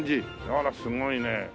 あらすごいね。